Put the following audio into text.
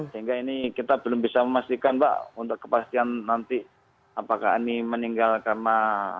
sehingga ini kita belum bisa memastikan pak untuk kepastian nanti apakah ini meninggal karena